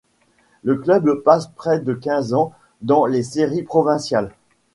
Le club passe près de quinze ans dans les séries provinciales.